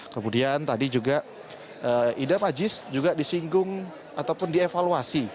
kemudian tadi juga idam aziz juga disinggung ataupun dievaluasi